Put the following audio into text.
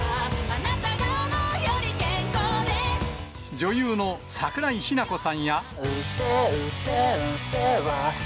女優の桜井日奈子さんや。